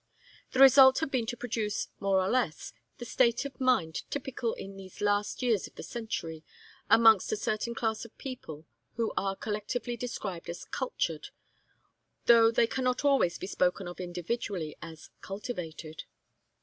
The result had been to produce, more or less, the state of mind typical in these last years of the century, amongst a certain class of people who are collectively described as cultured, though they cannot always be spoken of individually as cultivated.